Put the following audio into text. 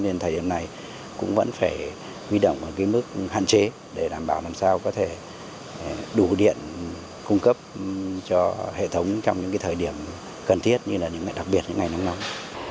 nên thời điểm này cũng vẫn phải huy động ở mức hạn chế để đảm bảo làm sao có thể đủ điện cung cấp cho hệ thống trong những thời điểm cần thiết như là những ngày đặc biệt những ngày nắng nóng